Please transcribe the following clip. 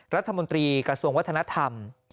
รัฐมนตรีกระทรวงวัฒนธรรม